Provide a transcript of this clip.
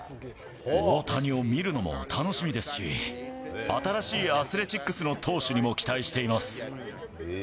大谷を見るのも楽しみですし、新しいアスレチックスの投手にも期待しています。